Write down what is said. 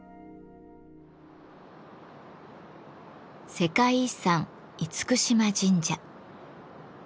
世界遺産・厳島神社。